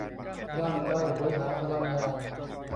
ร่างกายโหยหาพลังงาน